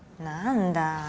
何だ。